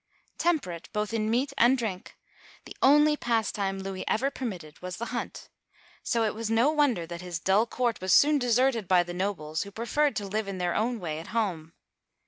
Temperate both in meat and drink, the only pastime Louis ever permitted was the hunt, so it was no wonder uigiTizea Dy vjiOOQlC LOUIS I. (814 840) 83 that his dull court was soon deserted by the nobles, who preferred to live in their own way at home.